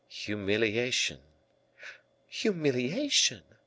"Humiliation." "Humiliation?